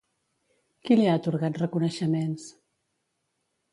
Qui li ha atorgat reconeixements?